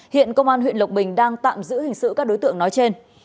hiện công an huyện lộc bình đang tạm giữ hình sự các đối tượng nói trên